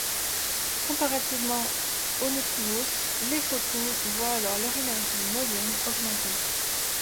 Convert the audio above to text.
Comparativement aux neutrinos, les photons voient alors leur énergie moyenne augmenter.